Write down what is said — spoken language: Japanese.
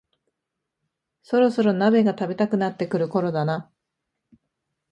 そろそろ鍋が食べたくなってくるころだな